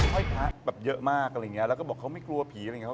ห้อยพระแบบเยอะมากอะไรอย่างเงี้ยแล้วก็บอกเขาไม่กลัวผีอะไรอย่างนี้